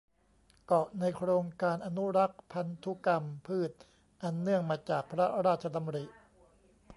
เกาะในโครงการอนุรักษ์พันธุกรรมพืชอันเนื่องมาจากพระราชดำริ